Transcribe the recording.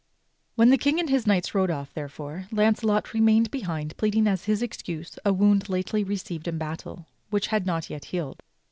When the King and his knights rode off, therefore, Launcelot remained behind pleading as his excuse a wound lately received in battle which had not yet healed.